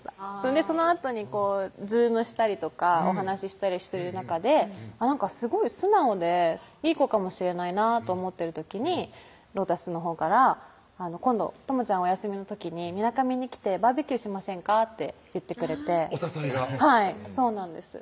そのあとにＺｏｏｍしたりとかお話したりしてる中でなんかすごい素直でいい子かもしれないなと思ってる時にロータスのほうから「今度倫ちゃんお休みの時にみなかみに来てバーベキューしませんか？」って言ってくれてお誘いがはいそうなんです